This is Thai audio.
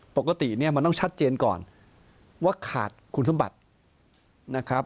ปกติเนี่ยมันต้องชัดเจนก่อนว่าขาดคุณสมบัตินะครับ